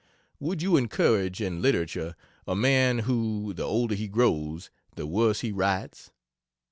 Would you encourage in literature a man who, the older he grows the worse he writes?